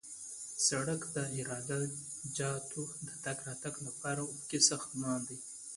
سړک د عراده جاتو د تګ راتګ لپاره افقي ساختمان دی